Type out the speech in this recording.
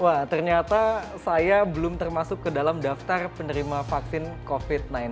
wah ternyata saya belum termasuk ke dalam daftar penerima vaksin covid sembilan belas